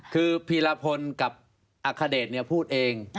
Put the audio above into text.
คือพีรพลกับอัคเดชพูดเอง